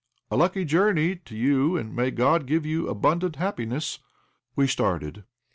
"A lucky journey to you, and may God give you abundant happiness!" We started.